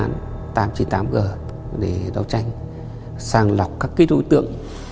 tỉnh đã lập chuyên án tám trăm chín mươi tám g để đấu tranh sàng lọc các đối tượng